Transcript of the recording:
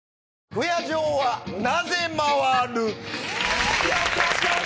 「不夜城はなぜ回る」